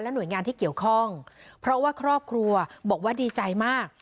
หน่วยงานที่เกี่ยวข้องเพราะว่าครอบครัวบอกว่าดีใจมาก